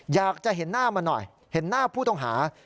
อยากจะเห็นหน้ามาหน่อยเห็นหน้าผู้ต้องหา